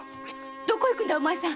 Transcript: どこ行くんだいお前さん？